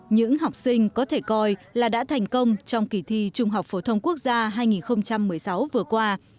những học sinh có thể coi là đã thành công trong kỳ thi trung học phổ thông quốc gia hai nghìn một mươi sáu vừa qua